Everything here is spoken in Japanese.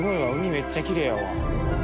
めっちゃきれいやわ。